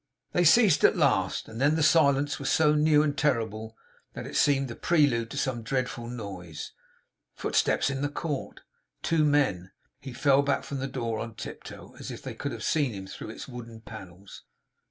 They ceased at last, and then the silence was so new and terrible that it seemed the prelude to some dreadful noise. Footsteps in the court! Two men. He fell back from the door on tiptoe, as if they could have seen him through its wooden panels.